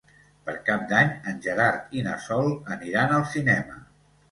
Per Cap d'Any en Gerard i na Sol aniran al cinema.